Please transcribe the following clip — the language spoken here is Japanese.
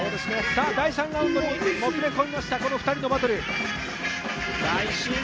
第３ラウンドまでもつれ込みました、この２人のバトル。